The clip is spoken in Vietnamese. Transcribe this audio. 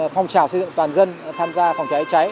phong trào xây dựng toàn dân tham gia phòng cháy cháy